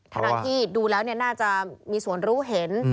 ทั้งที่ดูแล้วน่าจะมีส่วนรู้เห็น